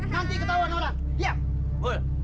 nanti ketawa nolak hiap